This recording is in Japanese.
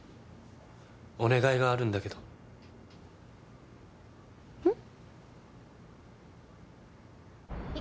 お願いがあるんだけどうん？